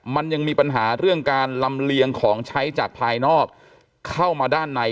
มันยังมีปัญหาเรื่องการลำเลียงของใช้จากภายนอกเข้ามาด้านใน